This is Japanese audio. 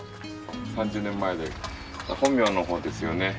３０年前で本名の方ですよね。